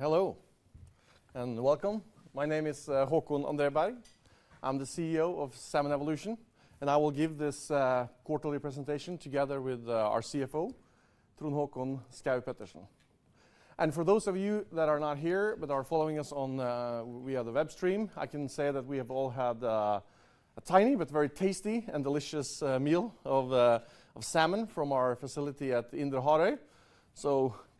Hello, and welcome. My name is Håkon André Berg. I'm the CEO of Salmon Evolution, and I will give this quarterly presentation together with our CFO, Trond Håkon Schaug-Pettersen. For those of you that are not here but are following us on via the web stream, I can say that we have all had a tiny but very tasty and delicious meal of salmon from our facility at Indre Harøy.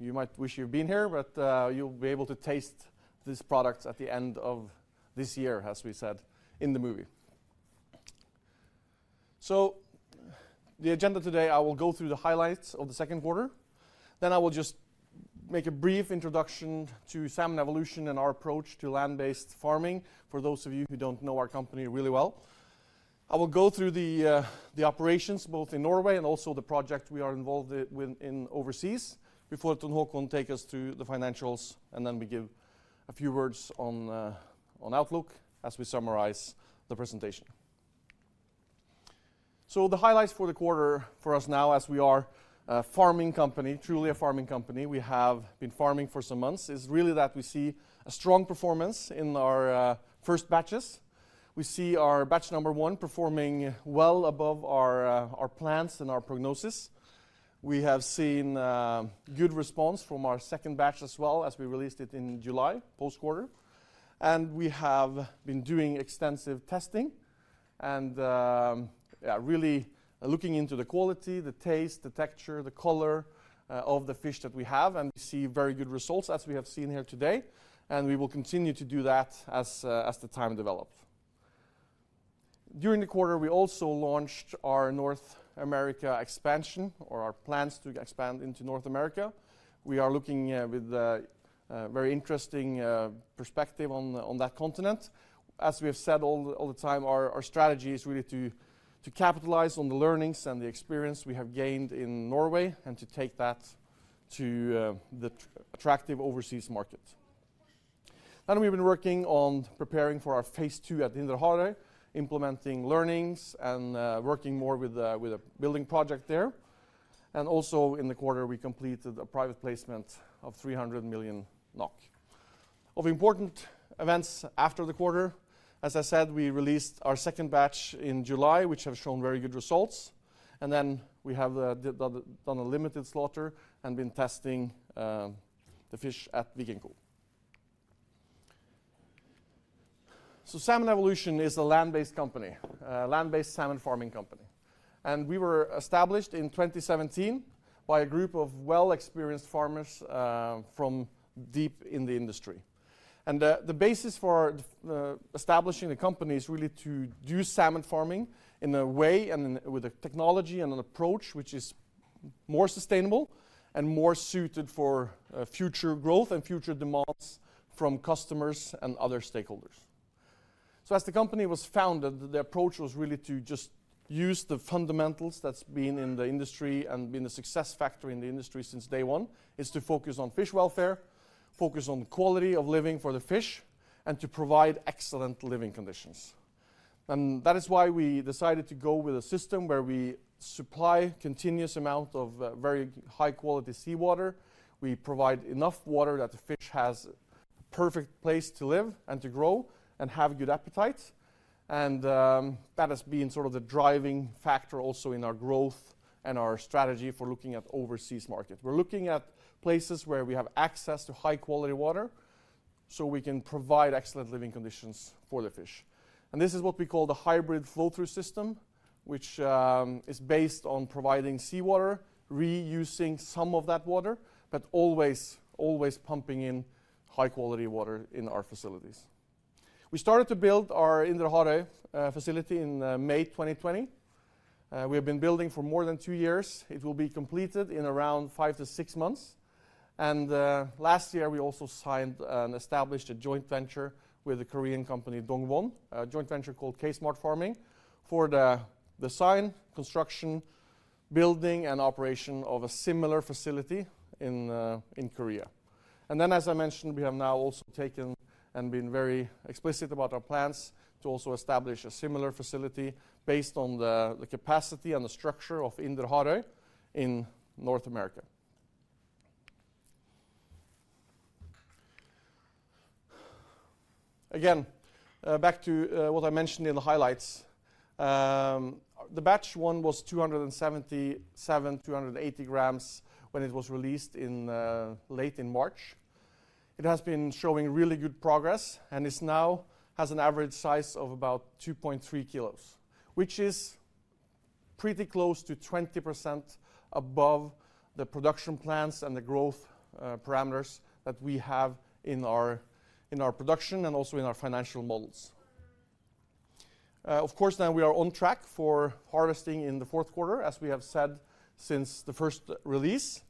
You might wish you've been here, but you'll be able to taste these products at the end of this year, as we said in the. [inaudible] The agenda today. I will go through the highlights of Q2, then I will just make a brief introduction to Salmon Evolution and our approach to land-based farming for those of you who don't know our company really well. I will go through the operations both in Norway and also the project we are involved in overseas before Trond Håkon takes us to the financials, and then we give a few words on Outlook as we summarize the presentation. The highlights for the quarter for us now, as we are a farming company, truly a farming company, we have been farming for some months, is really that we see a strong performance in our first batches. We see our batch number one performing well above our plans and our prognosis. We have seen good response from our second batch as well, as we released it in July, post-quarter. We have been doing extensive testing and really looking into the quality, the taste, the texture, the color of the fish that we have, and we see very good results as we have seen here today. We will continue to do that as the time develops. During the quarter, we also launched our North America expansion, or our plans to expand into North America. We are looking with a very interesting perspective on that continent. As we have said all the time, our strategy is really to capitalize on the learnings and the experience we have gained in Norway and to take that to the attractive overseas market. We've been working on preparing for our phase two at Indre Harøy, implementing learnings and working more with a building project there. Also in the quarter, we completed a private placement of 300 million NOK. Of important events after the quarter: as I said, we released our second batch in July, which has shown very good results. Then we have done a limited slaughter and been testing the fish at Vikenco. Salmon Evolution is a land-based company, a land-based salmon farming company. We were established in 2017 by a group of well-experienced farmers from deep in the industry. The basis for establishing the company is really to do salmon farming in a way and with a technology and an approach which is more sustainable and more suited for future growth and future demands from customers and other stakeholders. As the company was founded, the approach was really to just use the fundamentals that's been in the industry and been a success factor in the industry since day one, is to focus on fish welfare, focus on quality of living for the fish, and to provide excellent living conditions. That is why we decided to go with a system where we supply a continuous amount of very high-quality seawater. We provide enough water that the fish has a perfect place to live and to grow and have good appetite. That has been sort of the driving factor also in our growth and our strategy for looking at overseas markets. We're looking at places where we have access to high-quality water so we can provide excellent living conditions for the fish. This is what we call the hybrid flow-through system, which is based on providing seawater, reusing some of that water, but always pumping in high-quality water in our facilities. We started to build our Indre Harøy facility in May 2020. We have been building for more than two years. It will be completed in around five to six months. Last year, we also signed and established a joint venture with the Korean company Dongwon, a joint venture called K-Smart Farming, for the design, construction, building, and operation of a similar facility in Korea. As I mentioned, we have now also taken and been very explicit about our plans to also establish a similar facility based on the capacity and the structure of Indre Harøy in North America. Again, back to what I mentioned in the highlights. The batch one was 277-280 grams when it was released late in March. It has been showing really good progress and now has an average size of about 2.3 kilos, which is pretty close to 20% above the production plans and the growth parameters that we have in our production and also in our financial models. Of course, now we are on track for harvesting in Q4, as we have said since the first release.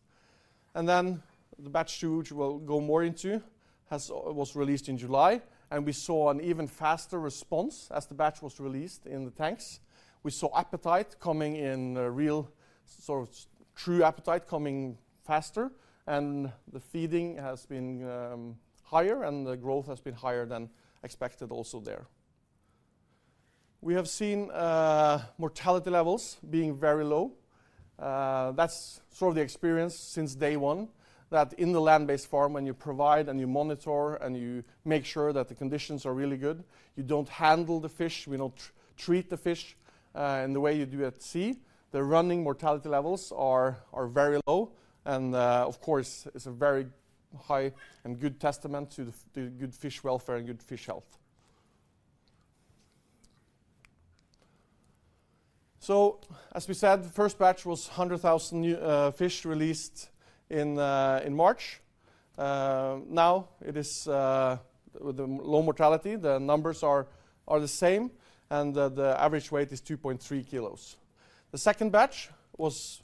The batch two, which we'll go more into, was released in July, and we saw an even faster response as the batch was released in the tanks. We saw appetite coming in, real sort of true appetite coming faster, and the feeding has been higher and the growth has been higher than expected also there. We have seen mortality levels being very low. That's sort of the experience since day one, that in the land-based farm, when you provide and you monitor and you make sure that the conditions are really good, you don't handle the fish, you don't treat the fish in the way you do at sea, the running mortality levels are very low, and of course it's a very high and good testament to good fish welfare and good fish health. As we said, the first batch was 100,000 fish released in March. Now it is with low mortality. The numbers are the same, and the average weight is 2.3 kilos. The second batch was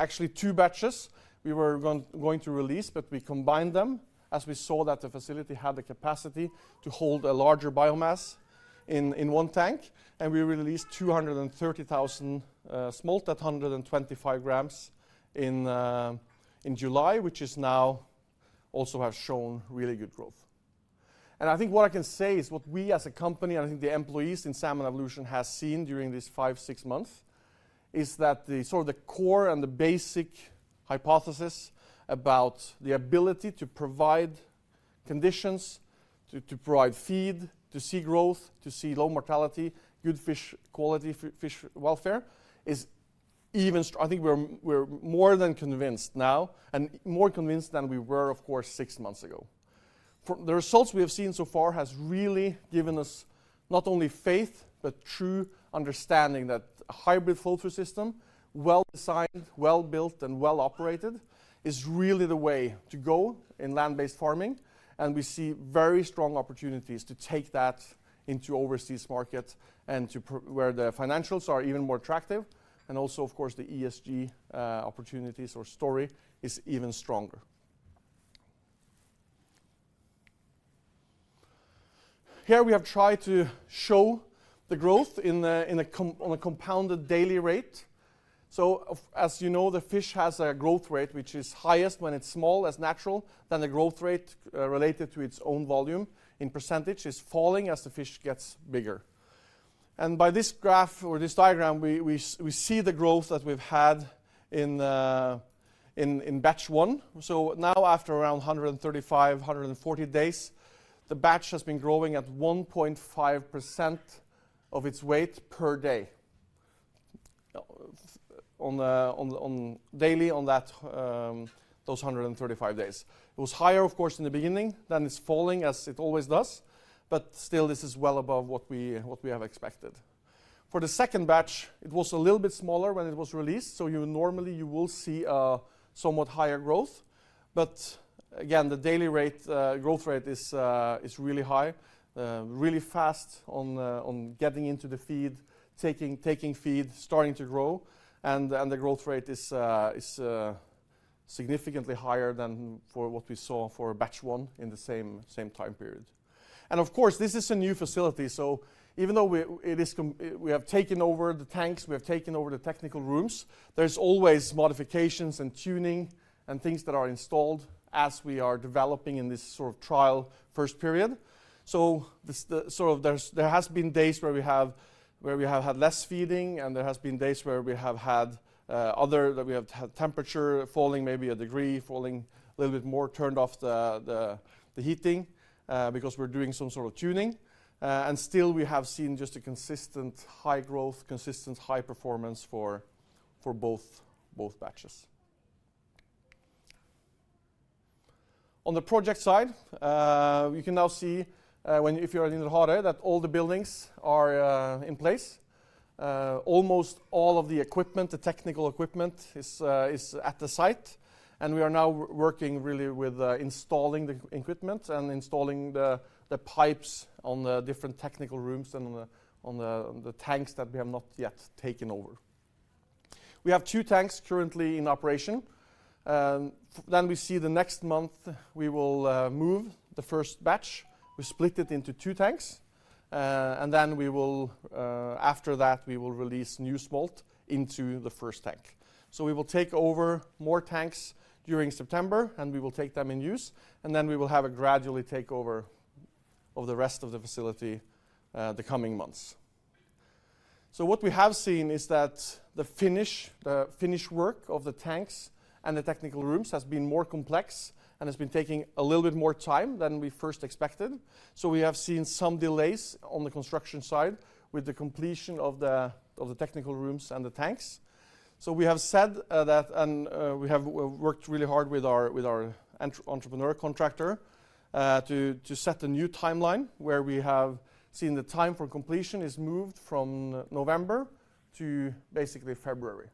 actually two batches we were going to release, but we combined them as we saw that the facility had the capacity to hold a larger biomass in one tank, and we released 230,000 smolt at 125 grams in July, which is now also has shown really good growth. I think what I can say is what we as a company, and I think the employees in Salmon Evolution, have seen during these five, six months is that the sort of the core and the basic hypothesis about the ability to provide conditions, to provide feed, to see growth, to see low mortality, good fish quality, fish welfare, is even I think we're more than convinced now, and more convinced than we were, of course, six months ago. The results we have seen so far have really given us not only faith but true understanding that a hybrid flow-through system, well-designed, well-built, and well-operated, is really the way to go in land-based farming, and we see very strong opportunities to take that into overseas markets and to where the financials are even more attractive, and also, of course, the ESG opportunities or story is even stronger. Here we have tried to show the growth on a compounded daily rate. As you know, the fish has a growth rate which is highest when it's small, as natural, then the growth rate related to its own volume in percentage is falling as the fish gets bigger. By this graph or this diagram, we see the growth that we've had in batch one. Now after around 135-140 days, the batch has been growing at 1.5% of its weight per day daily on those 135 days. It was higher, of course, in the beginning than it's falling as it always does, but still this is well above what we have expected. For the second batch, it was a little bit smaller when it was released, so normally you will see somewhat higher growth. Again, the daily rate, growth rate, is really high, really fast on getting into the feed, taking feed, starting to grow, and the growth rate is significantly higher than what we saw for batch one in the same time period. Of course, this is a new facility, so even though we have taken over the tanks, we have taken over the technical rooms, there's always modifications and tuning and things that are installed as we are developing in this sort of trial first period. Sort of there has been days where we have had less feeding, and there has been days where we have had other that we have had temperature falling maybe a degree, falling a little bit more, turned off the heating because we're doing some sort of tuning. Still we have seen just a consistent high growth, consistent high performance for both batches. On the project side, you can now see if you're at Indre Harøy that all the buildings are in place. Almost all of the equipment, the technical equipment, is at the site, and we are now working really with installing the equipment and installing the pipes on the different technical rooms and on the tanks that we have not yet taken over. We have two tanks currently in operation. We see the next month we will move the first batch. We split it into two tanks, and then we will release new smolt into the first tank. We will take over more tanks during September, and we will take them in use, and then we will have a gradual takeover of the rest of the facility the coming months. What we have seen is that the finish work of the tanks and the technical rooms has been more complex and has been taking a little bit more time than we first expected. We have seen some delays on the construction side with the completion of the technical rooms and the tanks. We have said that we have worked really hard with our entrepreneur contractor to set a new timeline where we have seen the time for completion is moved from November to basically February.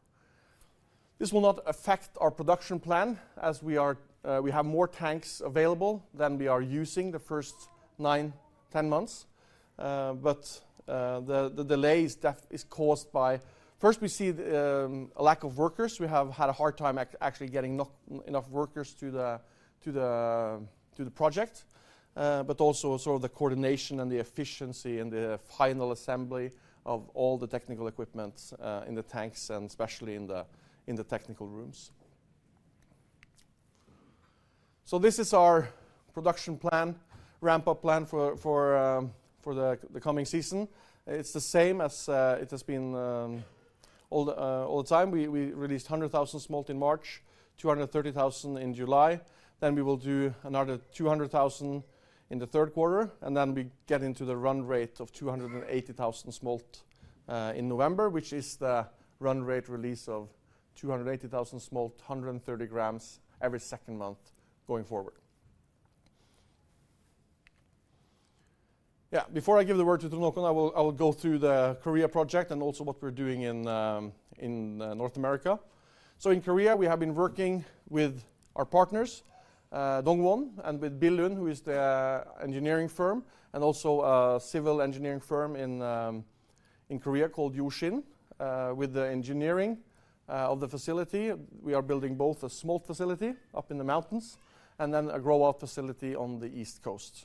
This will not affect our production plan as we have more tanks available than we are using the first nine to 10 months, but the delay is caused by first we see a lack of workers. We have had a hard time actually getting enough workers to the project, but also sort of the coordination and the efficiency and the final assembly of all the technical equipment in the tanks and especially in the technical rooms. This is our production plan, ramp-up plan for the coming season. It's the same as it has been all the time. We released 100,000 smolt in March, 230,000 in July. We will do another 200,000 in the third quarter, and then we get into the run rate of 280,000 smolt in November, which is the run rate release of 280,000 smolt, 130 grams every second month going forward. Yeah, before I give the word to Trond Håkon, I will go through the Korea project and also what we're doing in North America. In Korea, we have been working with our partners, Dongwon and with Billund, who is the engineering firm and also a civil engineering firm in Korea called Yushin, with the engineering of the facility. We are building both a smolt facility up in the mountains and then a grow-out facility on the east coast.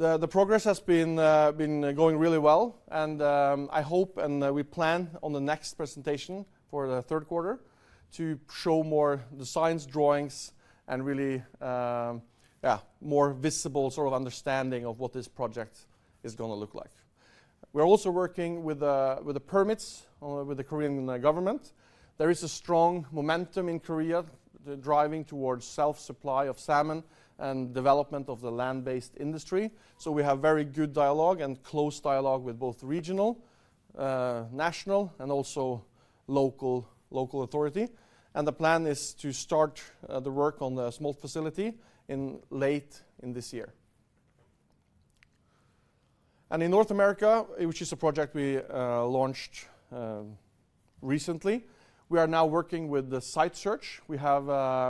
The progress has been going really well, and I hope and we plan on the next presentation for Q3 to show more designs, drawings, and really, yeah, more visible sort of understanding of what this project is going to look like. We are also working with the permits with the Korean government. There is a strong momentum in Korea driving towards self-supply of salmon and development of the land-based industry, so we have very good dialogue and close dialogue with both regional, national, and also local authority. The plan is to start the work on the smolt facility late in this year. In North America, which is a project we launched recently, we are now working with the site search. We have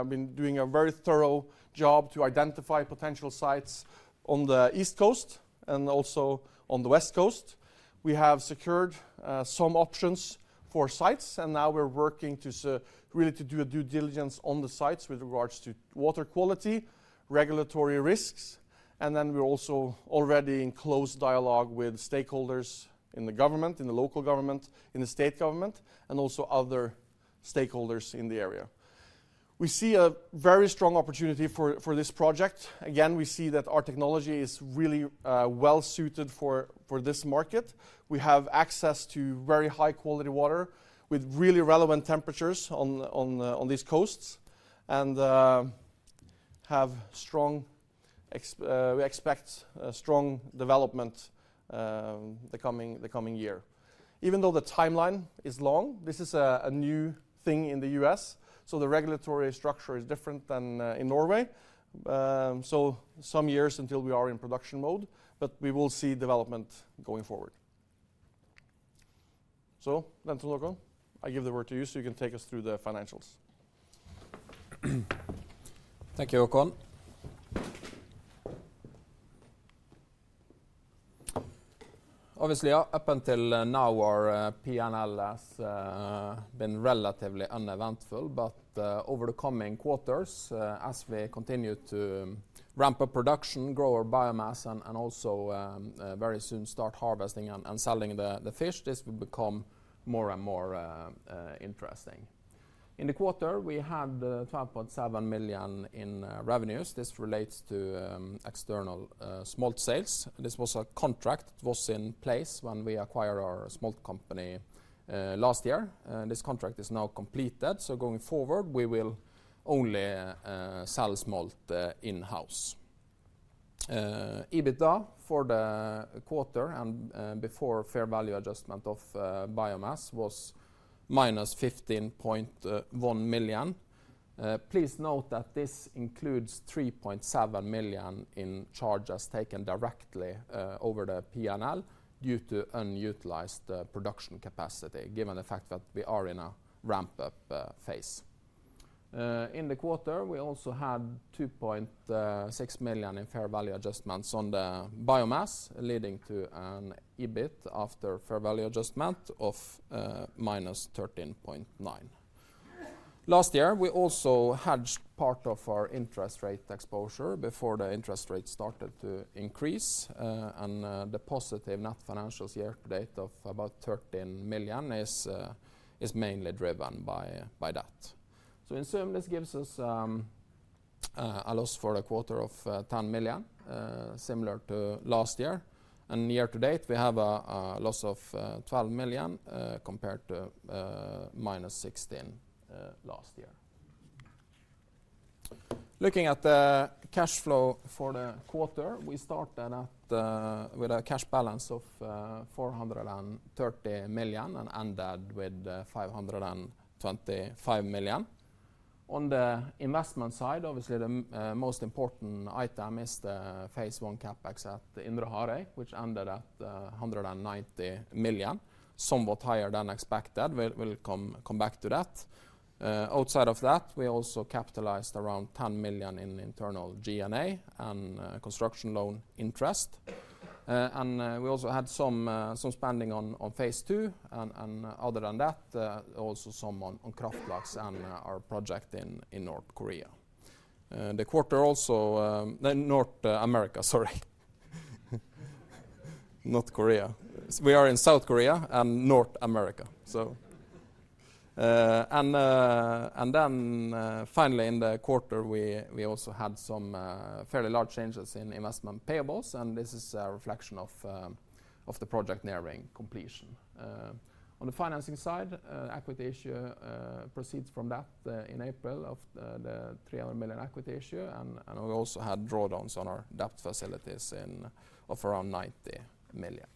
been doing a very thorough job to identify potential sites on the east coast and also on the west coast. We have secured some options for sites, and now we're working to really do a due diligence on the sites with regards to water quality, regulatory risks, and then we're also already in close dialogue with stakeholders in the government, in the local government, in the state government, and also other stakeholders in the area. We see a very strong opportunity for this project. Again, we see that our technology is really well-suited for this market. We have access to very high-quality water with really relevant temperatures on these coasts and we expect strong development the coming year. Even though the timeline is long, this is a new thing in the U.S., so the regulatory structure is different than in Norway, so some years until we are in production mode, but we will see development going forward. Trond Håkon,I give the word to you so you can take us through the financials. Thank you, Håkon. Obviously, yeah, up until now our P&L has been relatively uneventful, but over the coming quarters as we continue to ramp-up production, grow our biomass, and also very soon start harvesting and selling the fish, this will become more and more interesting. In the quarter, we had 12.7 million in revenues. This relates to external smolt sales. This was a contract that was in place when we acquired our smolt company last year. This contract is now completed, so going forward we will only sell smolt in-house. EBITDA for the quarter and before fair value adjustment of biomass was -15.1 million. Please note that this includes 3.7 million in charges taken directly over the P&L due to unutilized production capacity, given the fact that we are in a ramp-up phase. In the quarter, we also had 2.6 million in fair value adjustments on the biomass, leading to an EBIT after fair value adjustment of -13.9 million. Last year, we also hedged part of our interest rate exposure before the interest rate started to increase, and the positive net financials year-to-date of about 13 million is mainly driven by that. In sum, this gives us a loss for the quarter of 10 million, similar to last year, and year-to-date we have a loss of 12 million compared to -16 million last year. Looking at the cash flow for the quarter, we started with a cash balance of 430 million and ended with 525 million. On the investment side, obviously the most important item is the phase one CapEx at Indre Harøy, which ended at 190 million, somewhat higher than expected. We'll come back to that. Outside of that, we also capitalized around 10 million in internal G&A and construction loan interest, and we also had some spending on phase two, and other than that, also some Kraft Laks and our project in North America. We are in South Korea and North America, so. Finally in the quarter we also had some fairly large changes in investment payables, and this is a reflection of the project nearing completion. On the financing side, equity issue proceeds from that in April of the 300 million equity issue, and we also had drawdowns on our debt facilities of around 90 million.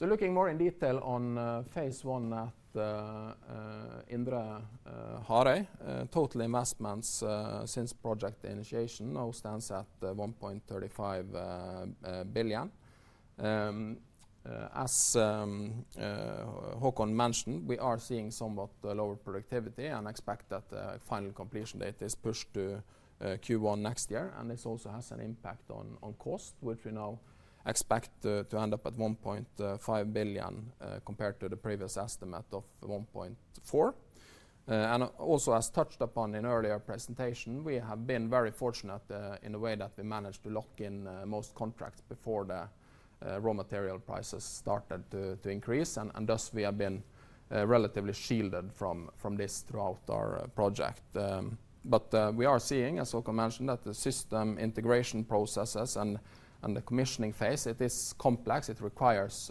Looking more in detail on phase one at Indre Harøy, total investments since project initiation now stands at 1.35 billion. As Håkon mentioned, we are seeing somewhat lower productivity and expect that final completion date is pushed to Q1 next year, and this also has an impact on cost, which we now expect to end up at 1.5 billion compared to the previous estimate of 1.4 billion. As touched upon in earlier presentation, we have been very fortunate in the way that we managed to lock in most contracts before the raw material prices started to increase, and thus we have been relatively shielded from this throughout our project. We are seeing, as Håkon mentioned, that the system integration processes and the commissioning phase, it is complex, it requires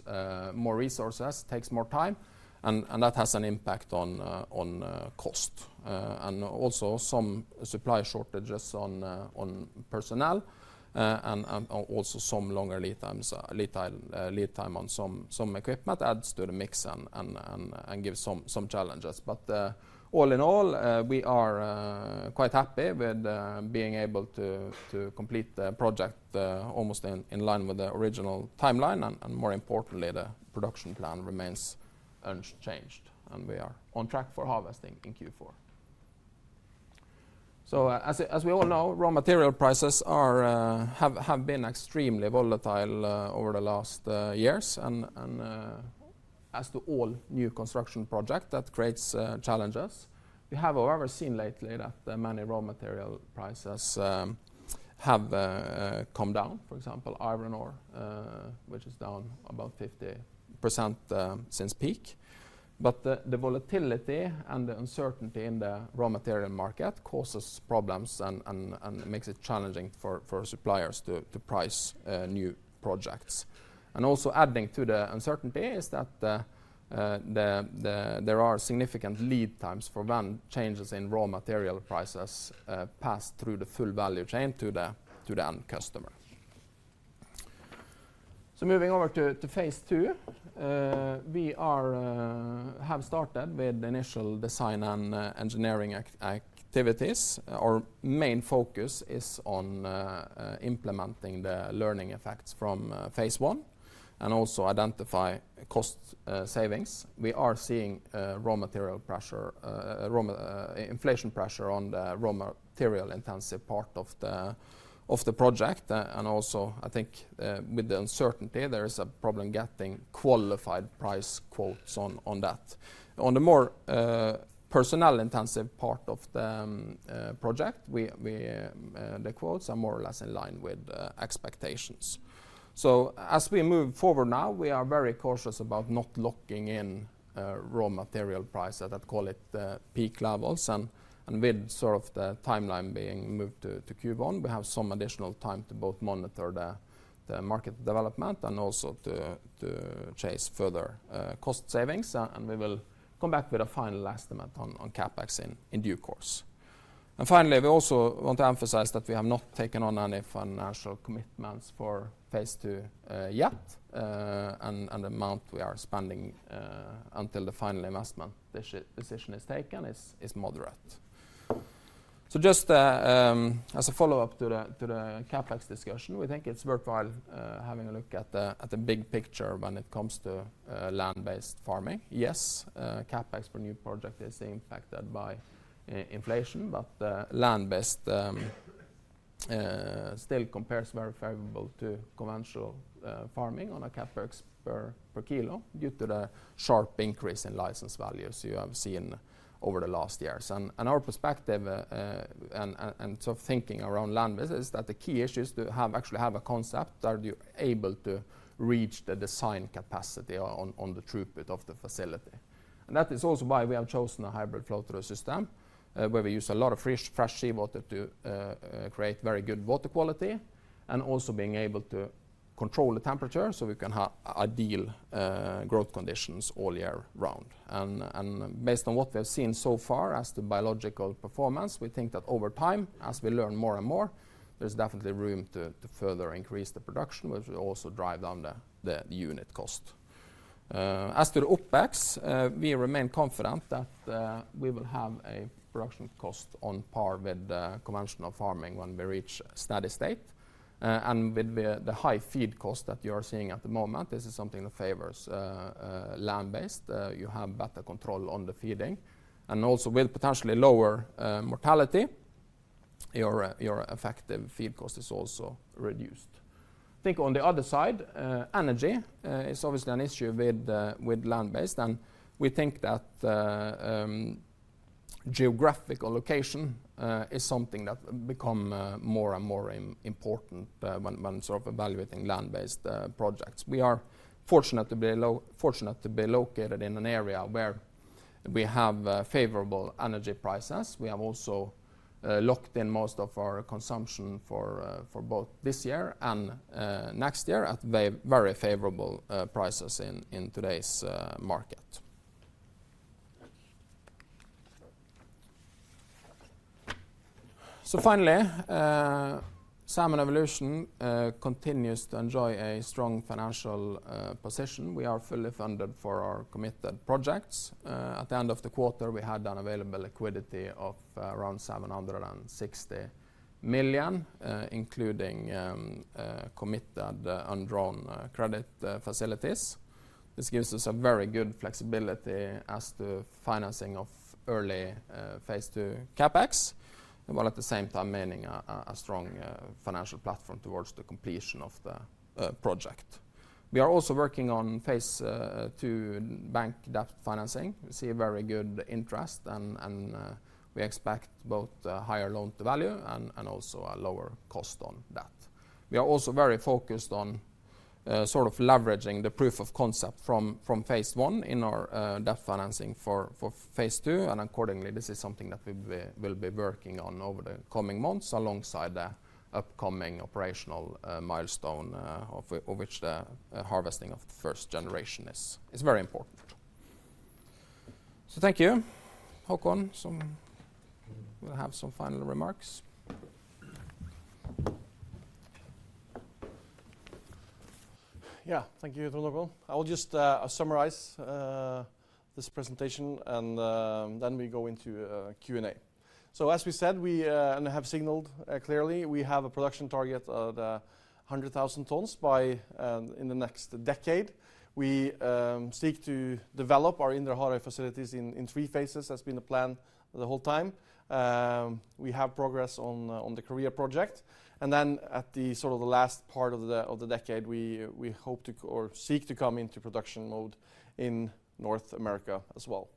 more resources, takes more time, and that has an impact on cost. Also some supply shortages on personnel and also some longer lead time on some equipment adds to the mix and gives some challenges. All in all, we are quite happy with being able to complete the project almost in line with the original timeline, and more importantly, the production plan remains unchanged, and we are on track for harvesting in Q4. As we all know, raw material prices have been extremely volatile over the last years, and as to all new construction projects, that creates challenges. We have, however, seen lately that many raw material prices have come down. For example, iron ore, which is down about 50% since peak. The volatility and the uncertainty in the raw material market causes problems and makes it challenging for suppliers to price new projects. Also adding to the uncertainty is that there are significant lead times for when changes in raw material prices pass through the full value chain to the end customer. Moving over to phase two, we have started with initial design and engineering activities. Our main focus is on implementing the learning effects from phase one and also identify cost savings. We are seeing raw material pressure, inflation pressure on the raw material-intensive part of the project, and also I think with the uncertainty there is a problem getting qualified price quotes on that. On the more personnel-intensive part of the project, the quotes are more or less in line with expectations. As we move forward now, we are very cautious about not locking in raw material prices. I'd call it peak levels, and with sort of the timeline being moved to Q1, we have some additional time to both monitor the market development and also to chase further cost savings, and we will come back with a final estimate on CapEx in due course. Finally, we also want to emphasize that we have not taken on any financial commitments for phase two yet, and the amount we are spending until the final investment decision is taken is moderate. Just as a follow-up to the CapEx discussion, we think it's worthwhile having a look at the big picture when it comes to land-based farming. Yes, CapEx per new project is impacted by inflation, but land-based still compares very favorably to conventional farming on a CapEx per kilo due to the sharp increase in license values you have seen over the last years. Our perspective and sort of thinking around land-based is that the key issue is to actually have a concept that you're able to reach the design capacity on the throughput of the facility. That is also why we have chosen a hybrid flow-through system where we use a lot of fresh seawater to create very good water quality and also being able to control the temperature so we can have ideal growth conditions all year round. Based on what we have seen so far as to biological performance, we think that over time, as we learn more and more, there's definitely room to further increase the production, which will also drive down the unit cost. As to the OpEx, we remain confident that we will have a production cost on par with conventional farming when we reach steady state. With the high feed cost that you are seeing at the moment, this is something that favors land-based. You have better control on the feeding, and also with potentially lower mortality, your effective feed cost is also reduced. I think on the other side, energy is obviously an issue with land-based, and we think that geographical location is something that becomes more and more important when sort of evaluating land-based projects. We are fortunate to be located in an area where we have favorable energy prices. We have also locked in most of our consumption for both this year and next year at very favorable prices in today's market. Finally, Salmon Evolution continues to enjoy a strong financial position. We are fully funded for our committed projects. At the end of the quarter, we had an available liquidity of around 760 million, including committed undrawn credit facilities. This gives us a very good flexibility as to financing of early phase two CapEx, while at the same time meaning a strong financial platform towards the completion of the project. We are also working on phase two bank debt financing. We see very good interest, and we expect both higher loan-to-value and also a lower cost on that. We are also very focused on sort of leveraging the proof of concept from phase one in our debt financing for phase two, and accordingly, this is something that we will be working on over the coming months alongside the upcoming operational milestone of which the harvesting of the first generation is. It's very important. Thank you. Håkon, do you have some final remarks. Yeah, thank you, Trond Håkon Schaug-Pettersen. I will just summarize this presentation, and then we go into Q&A. As we said and have signaled clearly, we have a production target of 100,000 tons in the next decade. We seek to develop our Indre Harøy facilities in three phases. That's been the plan the whole time. We have progress on the Korea project, and then at sort of the last part of the decade, we hope to or seek to come into production mode in North America as well.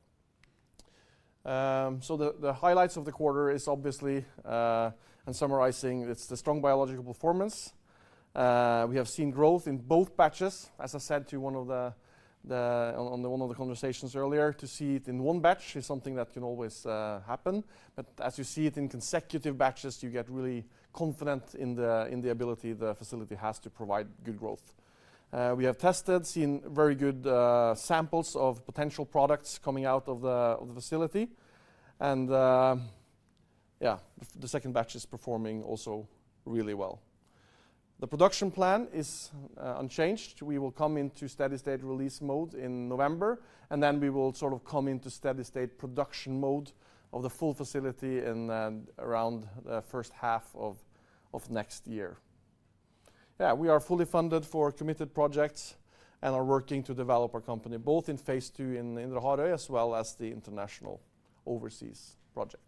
The highlights of the quarter is obviously, and summarizing, it's the strong biological performance. We have seen growth in both batches. As I said in one of the conversations earlier, to see it in one batch is something that can always happen, but as you see it in consecutive batches, you get really confident in the ability the facility has to provide good growth. We have tested, seen very good samples of potential products coming out of the facility, and yeah, the second batch is performing also really well. The production plan is unchanged. We will come into steady state release mode in November, and then we will sort of come into steady state production mode of the full facility in around the first half of next year. Yeah, we are fully funded for committed projects and are working to develop our company both in phase two in Indre Harøy as well as the international overseas projects.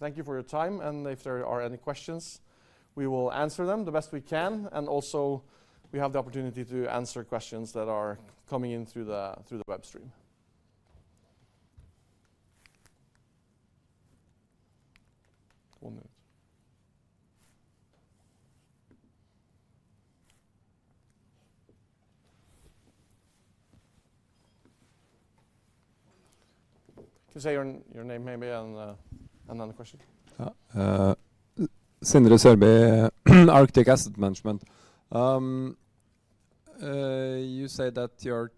Thank you for your time, and if there are any questions, we will answer them the best we can, and also we have the opportunity to answer questions that are coming in through the web stream. One minute. Can you say your name maybe and then the question? Sindre Sørbye, Arctic Asset Management. You say that you are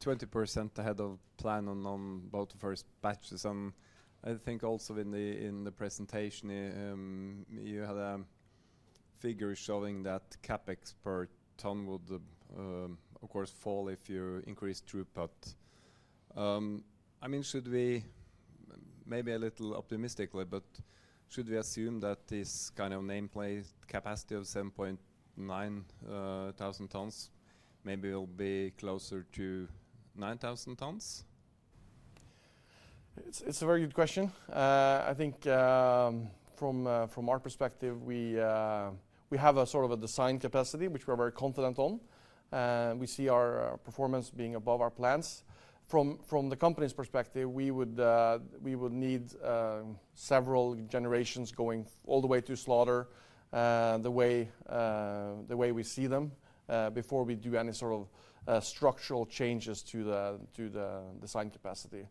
20% ahead of plan on both the first batches, and I think also in the presentation you had a figure showing that CapEx per ton would, of course, fall if you increase throughput. I mean, should we maybe a little optimistically, but should we assume that this kind of nameplate capacity of 7,900 tons maybe will be closer to 9,000 tons? It's a very good question. I think from our perspective, we have sort of a design capacity which we are very confident on. We see our performance being above our plans. From the company's perspective, we would need several generations going all the way to slaughter the way we see them before we do any sort of structural changes to the design capacity.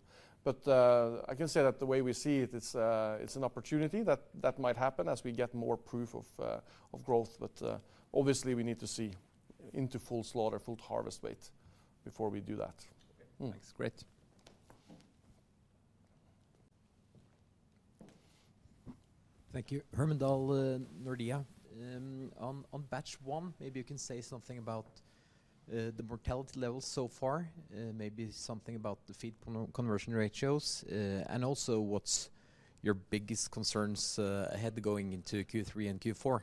I can say that the way we see it's an opportunity that might happen as we get more proof of growth, but obviously we need to see into full slaughter, full harvest weight before we do that. Okay, thanks. Great. Thank you. Herman Aleksander Dahl. On batch one, maybe you can say something about the mortality levels so far, maybe something about the feed conversion ratios, and also what's your biggest concerns ahead going into Q3 and Q4.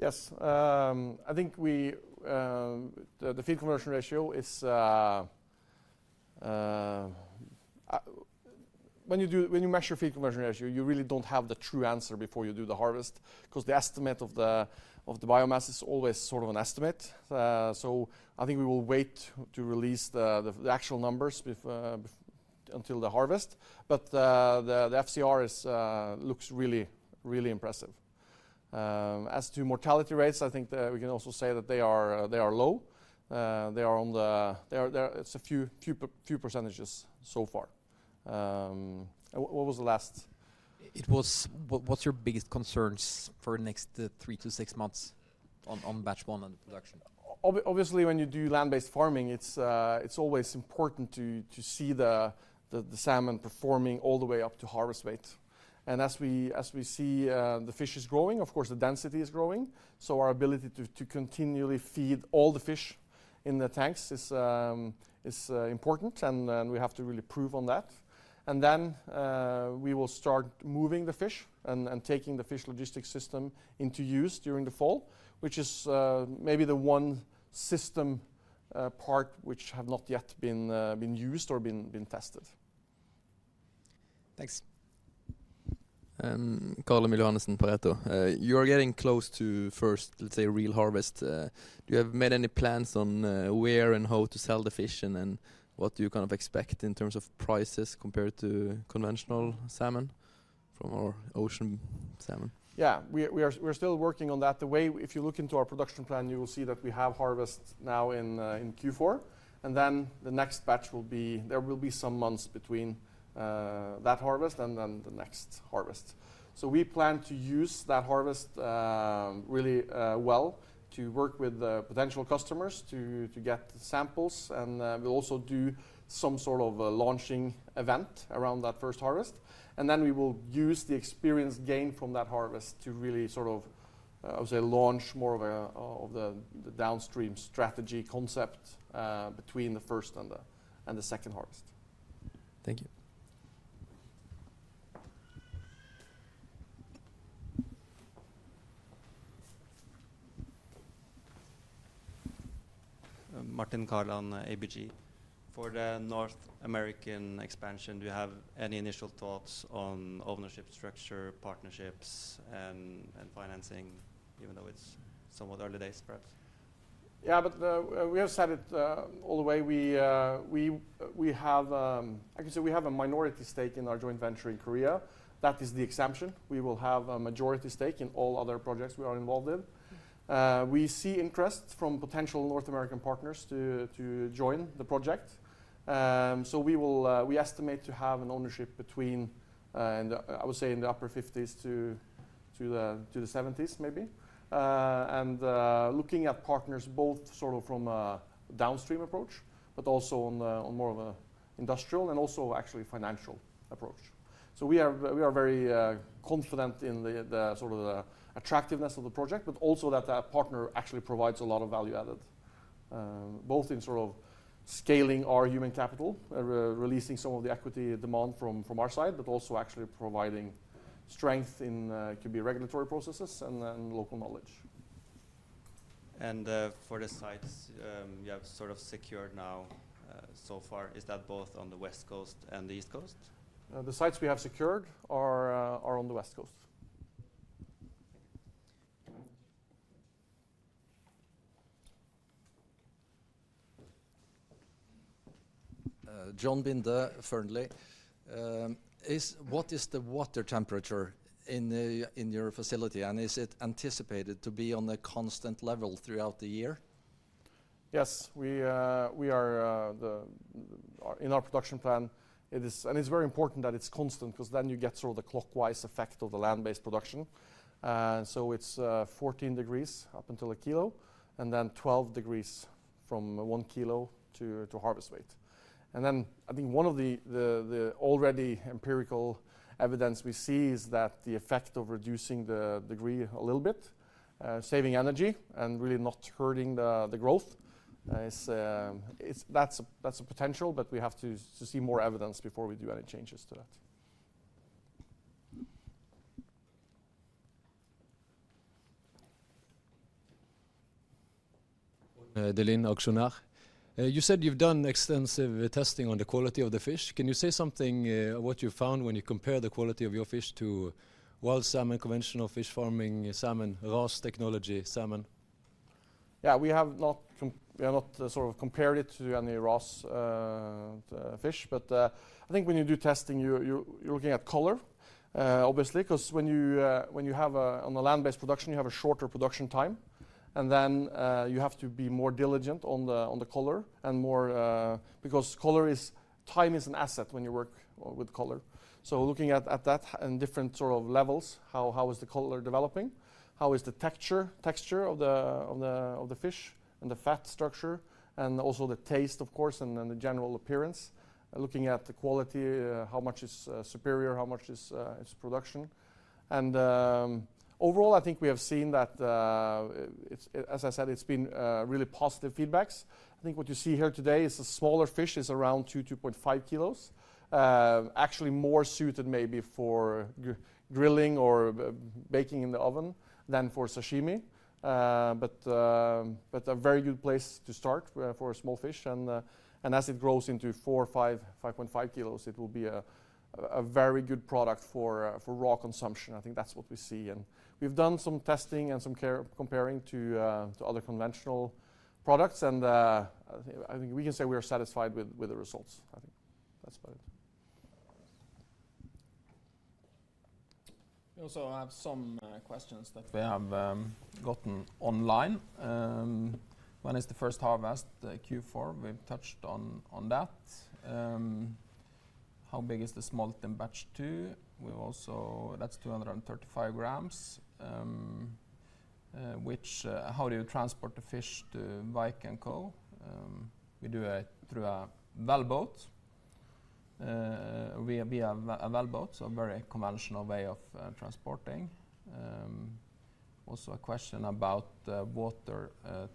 Yes. I think the feed conversion ratio is when you measure feed conversion ratio, you really don't have the true answer before you do the harvest because the estimate of the biomass is always sort of an estimate. I think we will wait to release the actual numbers until the harvest, but the FCR looks really, really impressive. As to mortality rates, I think we can also say that they are low. They are on the low. It's a few percent so far. What was the last? What's your biggest concerns for the next three to six months on batch one and production? Obviously, when you do land-based farming, it's always important to see the salmon performing all the way up to harvest weight. As we see the fish is growing, of course, the density is growing, so our ability to continually feed all the fish in the tanks is important, and we have to really improve on that. We will start moving the fish and taking the fish logistics system into use during the fall, which is maybe the one system part which has not yet been used or been tested. Thanks. Carl-Emil Kjølås Johannessen, Pareto. You are getting close to first, let's say, real harvest. Do you have made any plans on where and how to sell the fish, and what do you kind of expect in terms of prices compared to conventional salmon from our ocean salmon? Yeah, we are still working on that. Anyway, if you look into our production plan, you will see that we have harvest now in Q4, and then the next batch will be, there will be some months between that harvest and then the next harvest. We plan to use that harvest really well to work with potential customers to get samples, and we'll also do some sort of a launching event around that first harvest, and then we will use the experience gained from that harvest to really sort of, I would say, launch more of the downstream strategy concept between the first and the second harvest. Thank you. Martin Kaland, ABG. For the North American expansion, do you have any initial thoughts on ownership structure, partnerships, and financing, even though it's somewhat early days, perhaps? We have said it all the way. I can say we have a minority stake in our joint venture in Korea. That is the exemption. We will have a majority stake in all other projects we are involved in. We see interest from potential North American partners to join the project, so we estimate to have an ownership between, I would say, in the upper 50s to the 70s maybe, and looking at partners both sort of from a downstream approach but also on more of an industrial and also actually financial approach. We are very confident in sort of the attractiveness of the project, but also that that partner actually provides a lot of value added, both in sort of scaling our human capital, releasing some of the equity demand from our side, but also actually providing strength in, it could be, regulatory processes and local knowledge. For the sites you have sort of secured now so far, is that both on the West Coast and the East Coast? The sites we have secured are on the West Coast. Thank you. Christian Olsen, Fearnley Securities. What is the water temperature in your facility, and is it anticipated to be on a constant level throughout the year? Yes. In our production plan, it is and it's very important that it's constant because then you get sort of the clockwork effect of the land-based production. It's 14 degrees up until a kilo, and then 12 degrees from one kilo to harvest weight. Then I think one of the already empirical evidence we see is that the effect of reducing the degree a little bit, saving energy and really not hurting the growth, that's a potential, but we have to see more evidence before we do any changes to that. DNB Aksjonær. You said you've done extensive testing on the quality of the fish. Can you say something about what you found when you compare the quality of your fish to wild salmon, conventional fish farming salmon, RAS technology salmon? Yeah, we have not sort of compared it to any raw fish, but I think when you do testing, you're looking at color, obviously, because when you have on a land-based production, you have a shorter production time, and then you have to be more diligent on the color because color is time is an asset when you work with color. Looking at that in different sort of levels, how is the color developing, how is the texture of the fish and the fat structure, and also the taste, of course, and the general appearance, looking at the quality, how much is superior, how much is production. Overall, I think we have seen that, as I said, it's been really positive feedback. I think what you see here today is a smaller fish is around 2.5 kilos, actually more suited maybe for grilling or baking in the oven than for sashimi, but a very good place to start for a small fish, and as it grows into 4 kilos, 5.5 kilos, it will be a very good product for raw consumption. I think that's what we see, and we've done some testing and some comparing to other conventional products, and I think we can say we are satisfied with the results. I think that's about it. We also have some questions that we have gotten online. When is the first harvest, Q4? We've touched on that. How big is the smolt in batch two? That's 235 grams. How do you transport the fish to Vikenco? We do it through a wellboat. We have a wellboat, so a very conventional way of transporting. Also a question about water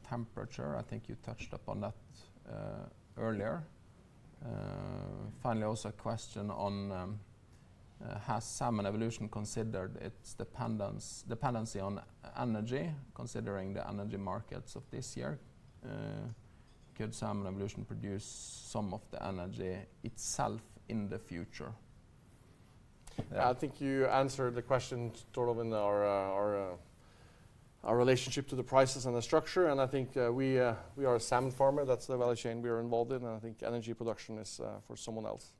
temperature. I think you touched upon that earlier. Finally, also a question on has Salmon Evolution considered its dependency on energy, considering the energy markets of this year? Could Salmon Evolution produce some of the energy itself in the future? Yeah, I think you answered the question sort of in our relationship to the prices and the structure, and I think we are a salmon farmer. That's the value chain we are involved in, and I think energy production is for someone else.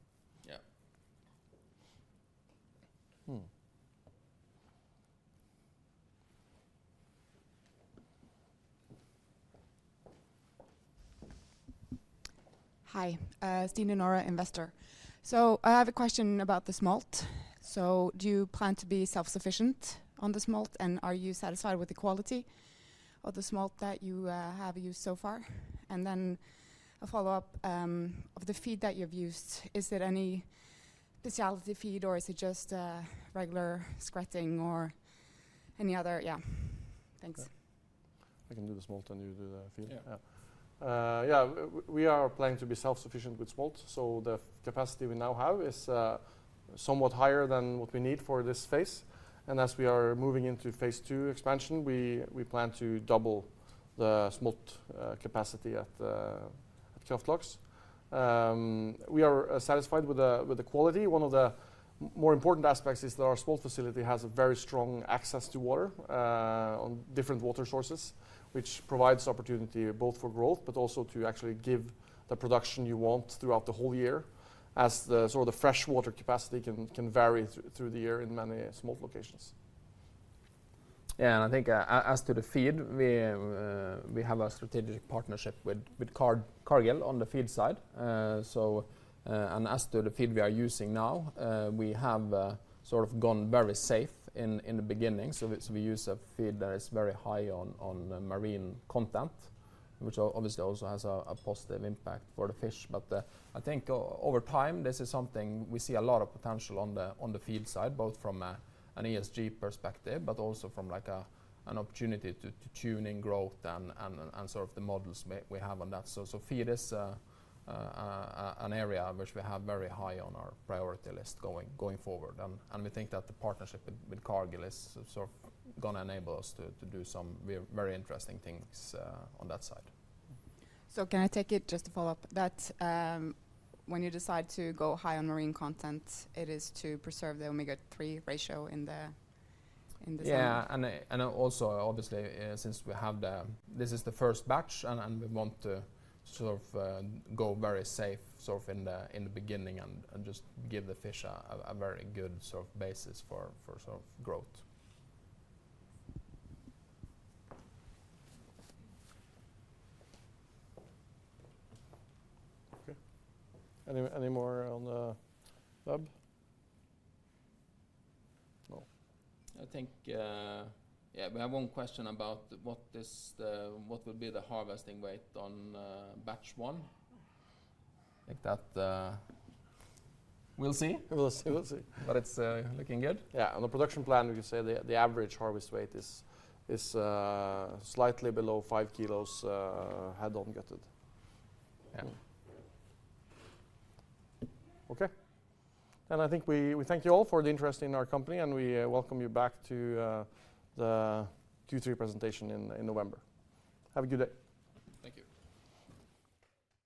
Yeah. Hi. Steven Nora, investor. I have a question about the smolt. Do you plan to be self-sufficient on the smolt, and are you satisfied with the quality of the smolt that you have used so far? A follow-up of the feed that you've used, is it any specialty feed, or is it just regular Skretting or any other yeah. Thanks. I can do the smolt and you do the feed. Yeah. Yeah. We are planning to be self-sufficient with smolt, so the capacity we now have is somewhat higher than what we need for this phase, and as we are moving into phase two expansion, we plan to double the smolt capacity Kraft Laks. we are satisfied with the quality. One of the more important aspects is that our smolt facility has a very strong access to water on different water sources, which provides opportunity both for growth but also to actually give the production you want throughout the whole year as sort of the freshwater capacity can vary through the year in many smolt locations. Yeah, I think as to the feed, we have a strategic partnership with Cargill on the feed side, and as to the feed we are using now, we have sort of gone very safe in the beginning, so we use a feed that is very high on marine content, which obviously also has a positive impact for the fish, but I think over time this is something we see a lot of potential on the feed side, both from an ESG perspective but also from an opportunity to tune in growth and sort of the models we have on that. Feed is an area which we have very high on our priority list going forward, and we think that the partnership with Cargill is sort of going to enable us to do some very interesting things on that side. Can I take it, just to follow up, that when you decide to go high on marine content, it is to preserve the omega-3 ratio in the salmon? Yeah, also, obviously, since we have this is the first batch, and we want to sort of go very safe sort of in the beginning and just give the fish a very good sort of basis for sort of growth. Okay. Any more on the web? No? I think, yeah, we have one question about what will be the harvesting weight on batch one? I think that we'll see. We'll see. We'll see. It's looking good? Yeah, on the production plan, we can say the average harvest weight is slightly below five kilos head-on gutted. Yeah. Okay. I think we thank you all for the interest in our company, and we welcome you back to the Q3 presentation in November. Have a good day. Thank you.